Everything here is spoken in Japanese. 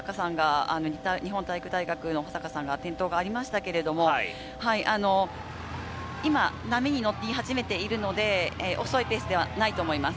日本体育大学の保坂さんが転倒がありましたけれども、今、波に乗り始めているので、遅いペースではないと思います。